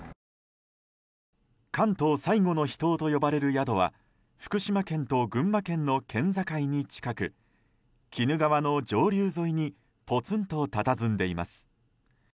関東最後の秘湯と呼ばれる宿は福島県と群馬県の県境に近く鬼怒川の上流沿いにぽつんとたたずんでいます。